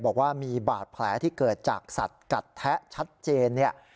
บอกว่ามีบาดแผลที่เกิดจากสัตว์กัดแทะชัดเจนเนี่ย